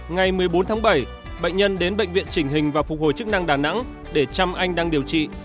ngày một mươi bốn tháng bảy bệnh nhân đến bệnh viện chỉnh hình và phục hồi chức năng đà nẵng để chăm anh đang điều trị